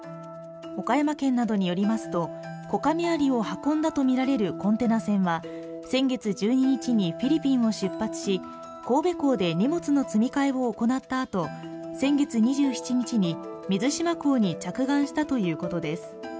岡山県などによりますとコカミアリを運んだとみられるコンテナ船は先月１２日にフィリピンを出発し、神戸港で荷物の積み替えを行ったあと、先月２７日に、水島港に着岸したということです。